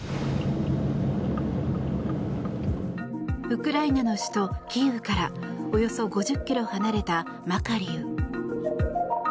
ウクライナの首都キーウからおよそ５０ｋｍ離れたマカリウ。